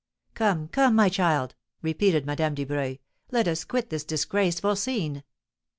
"Come, come, my child," repeated Madame Dubreuil, "let us quit this disgraceful scene."